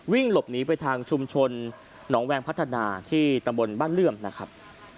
หลบหนีไปทางชุมชนหนองแวงพัฒนาที่ตำบลบ้านเลื่อมนะครับ